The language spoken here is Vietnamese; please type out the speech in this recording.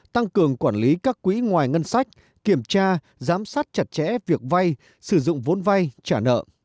tăng cường quản lý các quỹ ngoài ngân sách kiểm tra giám sát chặt chẽ việc vay sử dụng vốn vay trả nợ